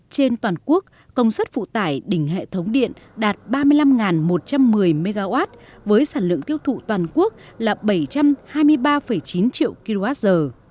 trên toàn quốc công suất phụ tải đỉnh hệ thống điện đạt ba mươi năm một trăm một mươi mw với sản lượng tiêu thụ toàn quốc là bảy trăm hai mươi ba chín triệu kwh